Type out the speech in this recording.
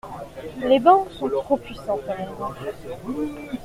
Les banque sont trop puissantes à mon goût.